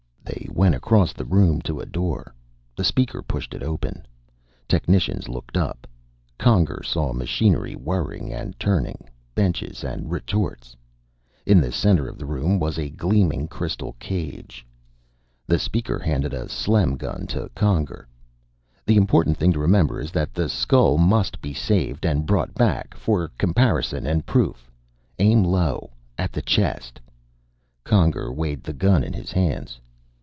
They went across the room to a door. The Speaker pushed it open. Technicians looked up. Conger saw machinery, whirring and turning; benches and retorts. In the center of the room was a gleaming crystal cage. The Speaker handed a Slem gun to Conger. "The important thing to remember is that the skull must be saved and brought back for comparison and proof. Aim low at the chest." Conger weighed the gun in his hands.